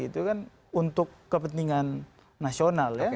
itu kan untuk kepentingan nasional ya